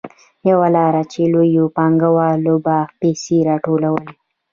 یوه لار چې لویو پانګوالو به پیسې راټولولې